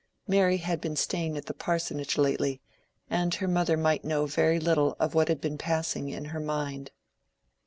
Mary had been staying at the parsonage lately, and her mother might know very little of what had been passing in her mind.